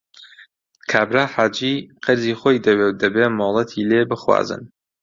کابرا حاجی قەرزی خۆی دەوێ و دەبێ مۆڵەتی لێ بخوازن